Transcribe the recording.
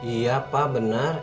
iya pak benar